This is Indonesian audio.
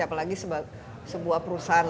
apalagi sebuah perusahaan